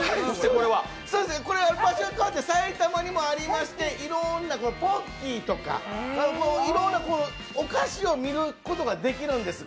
場所が変わって埼玉にもありましてポッキーとか、いろんなお菓子を見ることが出来るんです。